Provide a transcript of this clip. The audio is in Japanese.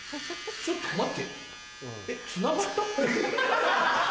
ちょっと待って。